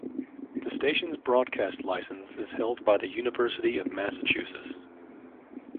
The station's broadcast license is held by the University of Massachusetts.